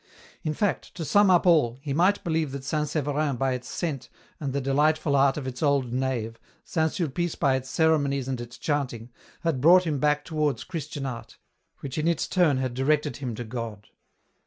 In fact, to sum up all, he might believe that St. Severin by its scent, and the delightful art of its old nave, St. Sulpice by its ceremonies and its chanting, had brought him back towards Christian art, which in its turn had directed him to God.